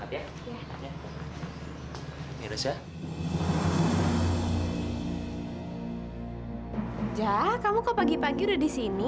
ya kamu kok pagi pagi udah di sini